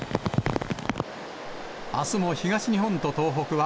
あすも東日本と東北は、